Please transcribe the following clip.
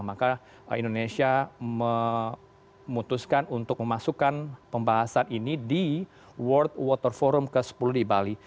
maka indonesia memutuskan untuk memasukkan pembahasan ini di world water forum ke sepuluh di bali